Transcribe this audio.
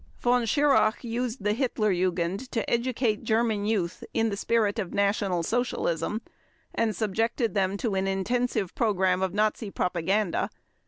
Von Schirach used the Hitler Jugend to educate German Youth "in the spirit of National Socialism" and subjected them to an intensive program of Nazi propaganda.